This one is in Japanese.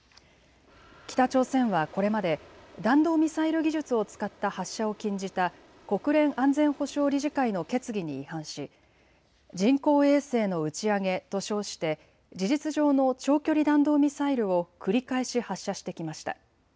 北朝鮮はこれまで弾道ミサイル技術を使った発射を禁じた国連安全保障理事会の決議に違反し人工衛星の打ち上げと称して事実上の長距離弾道ミサイルを繰り返し発射してきました。